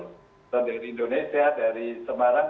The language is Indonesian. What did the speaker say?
atau dari indonesia dari semarang